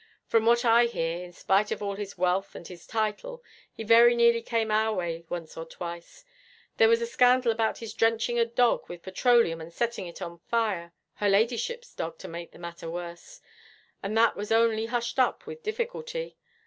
From what I hear, in spite of all his wealth and his title, he very nearly came our way once or twice. There was a scandal about his drenching a dog with petroleum and setting it on fire her ladyship's dog, to make the matter worse and that was only hushed up with difficulty.